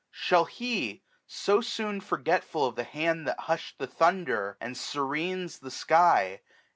Shall he, so soon forgetful of the hand That hushM the thunder, and serenes the sky.